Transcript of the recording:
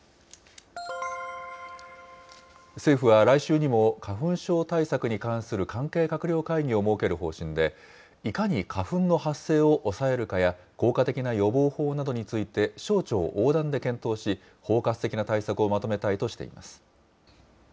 政府は来週にも花粉症対策に関する関係閣僚会議を設ける方針で、いかに花粉の発生を抑えるかや、効果的な予防法などについて省庁横断で検討し、包括的な対策をまとめたいとしています。